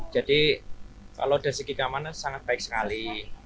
jadi kalau dari segi kemana sangat baik sekali